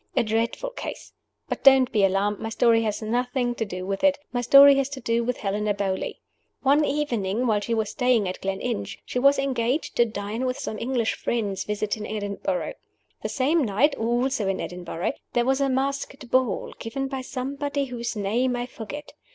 A dreadful case; but don't be alarmed my story has nothing to do with it; my story has to do with Helena Beauly. One evening (while she was staying at Gleninch) she was engaged to dine with some English friends visiting Edinburgh. The same night also in Edinburgh there was a masked ball, given by somebody whose name I forget.